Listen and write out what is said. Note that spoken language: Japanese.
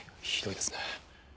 ひどいですね。